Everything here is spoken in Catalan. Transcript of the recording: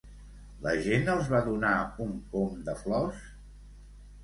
La gent els va donar un pom de flors?